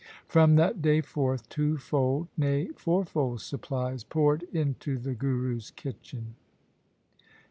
From that day forth, twofold, nay fourfold supplies poured into the Guru's kitchen.